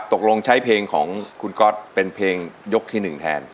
ตกลงใช้เพลงของคุณก๊อตเป็นเพลงยกที่๑แทน